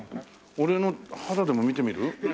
俺の肌でも見てみる？